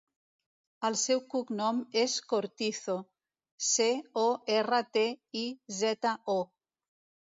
El seu cognom és Cortizo: ce, o, erra, te, i, zeta, o.